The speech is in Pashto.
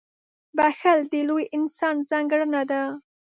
• بښل د لوی انسان ځانګړنه ده.